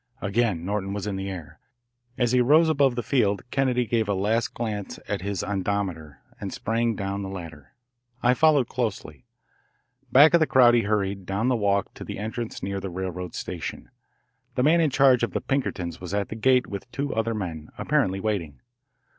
Again Norton was in the air. As he rose above the field Kennedy gave a last glance at his ondometer and sprang down the ladder. I followed closely. Back of the crowd he hurried, down the walk to the entrance near the railroad station. The man in charge of the Pinkertons was at the gate with two other men, apparently waiting.